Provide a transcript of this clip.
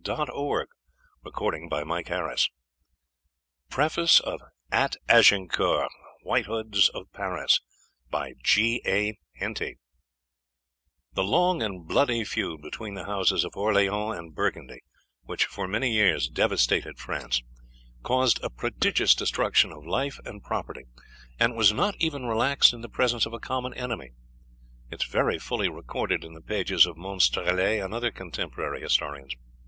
Henty [Illustration: GUY AYLMER SAVES THE KING'S LIFE AT THE BATTLE OF AGINCOURT.] PREFACE The long and bloody feud between the houses of Orleans and Burgundy which for many years devastated France, caused a prodigious destruction of life and property, and was not even relaxed in the presence of a common enemy is very fully recorded in the pages of Monstrellet and other contemporary historians.